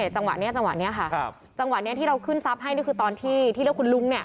จังหวะนี้ค่ะจังหวะนี้ที่เราขึ้นซับให้คือตอนที่ที่เรียกว่าคุณลุง